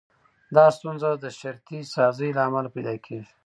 دا ستونزه د شرطي سازي له امله پيدا کېږي.